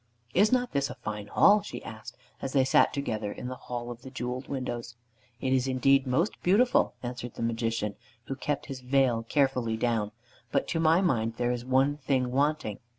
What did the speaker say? "Is not this a fine hall?" she asked, as they sat together in the hall of the jeweled windows. "It is indeed most beautiful," answered the Magician, who kept his veil carefully down, "but to my mind there is one thing wanting.